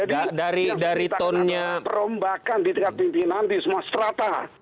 jadi yang kita lihat adalah perombakan di tingkat pimpinan di semua serata